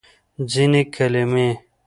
ځینې کلمې